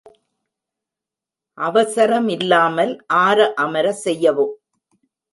அவசரமில்லாமல் ஆர அமர செய்யவும்.